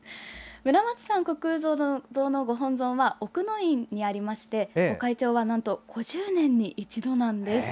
村松山虚空蔵堂のご本尊は奥の院にありまして御開帳はなんと５０年に一度なんです。